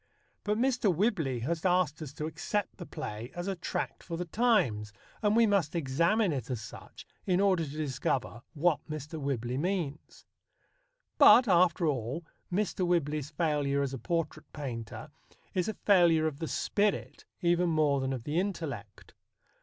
But Mr. Whibley has asked us to accept the play as a tract for the times, and we must examine it as such in order to discover what Mr. Whibley means. But, after all, Mr. Whibley's failure as a portrait painter is a failure of the spirit even more than of the intellect.